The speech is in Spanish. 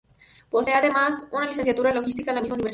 Posee además una Licenciatura en Logística de la misma universidad.